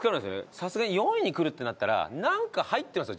さすがに４位にくるってなったらなんか入ってますよ